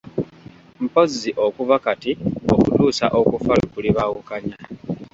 Mpozzi okuva kati okutuusa okufa lwe kulibaawukanya.